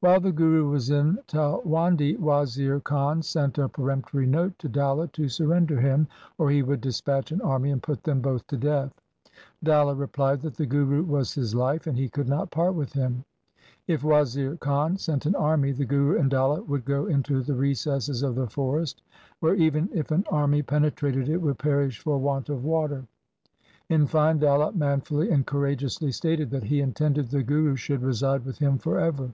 While the Guru was in Taiwan di Wazir Khan sent a peremptory note to Dalla to surrender him, or he would dispatch an army and put them both to death. Dalla replied that the Guru was his life, and he could not part with him. If Wazir Khan sent an army, the Guru and Dalla would go into the recesses of the forest, where, even if an army LIFE OF GURU GOBIND SINGH 221 penetrated, it would perish for want of water. In fine Dalla manfully and courageously stated that he intended the Guru should reside with him for ever.